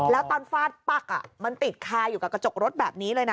แล้วตอนฟาดปั๊กมันติดคาอยู่กับกระจกรถแบบนี้เลยนะ